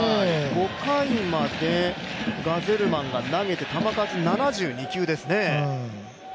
５回までガゼルマンが投げて球数７２球ですね。